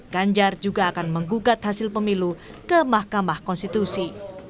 ganjar juga akan menggugat hasil pemilu ke mahkamah konstitusi